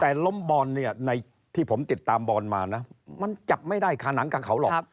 แต่ล้มบอลเนี่ยในที่ผมติดตามบอลมานะมันจับไม่ได้คาหนังกับเขาหรอก